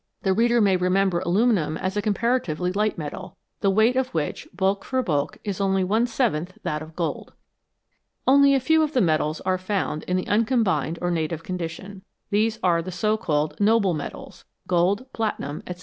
The reader may remember aluminium as a comparatively light metal, the weight of which, bulk for bulk, is only one seventh of that of gold. Only a few of the metals are found in the uncombined or " native " condition. These are the so called " noble " metals gold, platinum, &c.